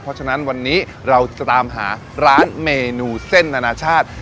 เพราะฉะนั้นวันนี้เราจะตามหาร้านเมนูเส้นอนาชาติ